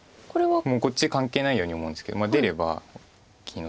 もうこっち関係ないように思うんですけど出れば大きいので。